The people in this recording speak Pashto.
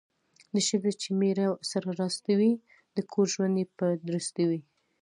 د ښځې چې میړه سره راستي وي، د کور ژوند یې په درستي وي.